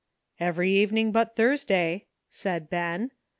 " ''Every evening but Thursday," said Ben.